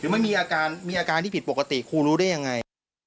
หรือมันมีอาการที่ผิดปกติคุณรู้ได้ยังไง